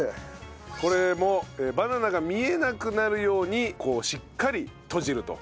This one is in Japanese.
これもバナナが見えなくなるようにしっかり閉じると。